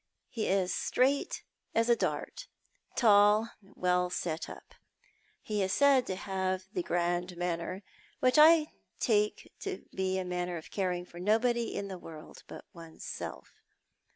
He is straight as a dart, tall, well set up. He is said to have the grand manner, Avhich I take to be a manner of caring for nobody in the world but one's self.